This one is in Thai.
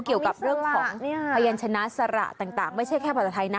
เกี่ยวกับเรื่องของพยานชนะสระต่างไม่ใช่แค่ภาษาไทยนะ